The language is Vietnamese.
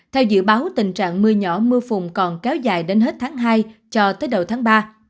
theo dự báo tình trạng mưa nhỏ mưa phùn còn kéo dài đến hết tháng hai cho tới đầu tháng ba